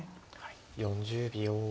４０秒。